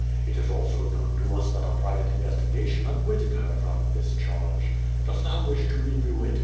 It is also known to us that a private investigation acquitted her from this charge. Dost thou wish to renew it?